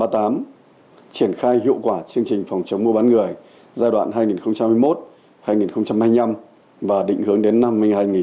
triển khai hiệu quả chương trình phòng chống mua bán người giai đoạn hai nghìn hai mươi một hai nghìn hai mươi năm và định hướng đến năm hai nghìn ba mươi